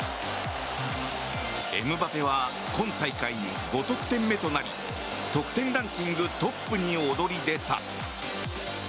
エムバペは今大会５得点目となり得点ランキングトップに躍り出た。